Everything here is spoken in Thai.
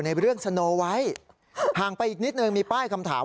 เฮ้ยทำไมคุณรู้ก่อนนะ